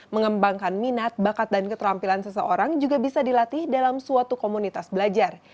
mengembangkan minat bakat dan keterampilan seseorang juga bisa dilatih dalam suatu komunitas belajar